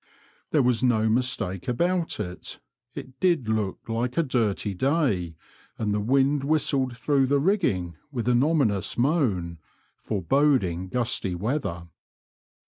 There was no mistake about it — it did look like a dirty day, and the wind whistled through the rigging with an ominous moan, foreboding gusty weather.